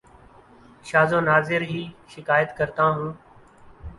شاز و ناذر ہی شکایت کرتا ہوں